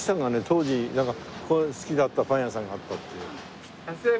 当時なんか好きだったパン屋さんがあったって。